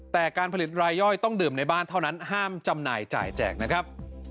แต่การผลิตรายย่อยต้องดื่มในบ้านเท่านั้นห้ามจำหน่ายจ่ายแจกนะครับ